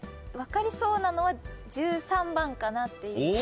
分かりそうなのは１３番かなっていう。